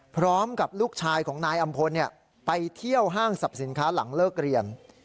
พร้อมกับลูกชายของนายอำพลไปเที่ยวห้างสรรพสินค้าหลังเลิกเรียน